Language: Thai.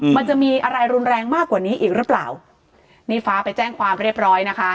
มันจะมีอะไรรุนแรงมากกว่านี้อีกหรือเปล่านี่ฟ้าไปแจ้งความเรียบร้อยนะคะ